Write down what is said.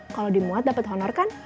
kalau dimuat dapat honor kan